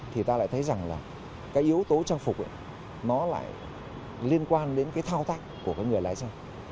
thì ta lại thấy rằng là cái yếu tố trang phục ấy nó lại liên quan đến cái thao tác của cái người lái xe